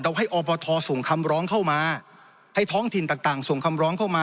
ให้อบทส่งคำร้องเข้ามาให้ท้องถิ่นต่างส่งคำร้องเข้ามา